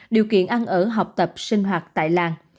điều kiện ăn ở học tập sinh hoạt tại làng